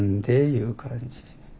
いう感じ。